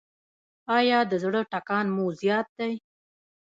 ایا د زړه ټکان مو زیات دی؟